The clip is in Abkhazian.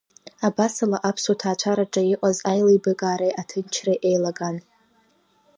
Абасала аԥсуа ҭаацәа рҿы иҟаз аилибакаареи аҭынчреи еилаган.